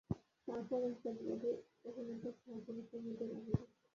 তারপর যাত্রাদলের অভিনেতা সাজিয়া কুমুদের আবির্ভাব।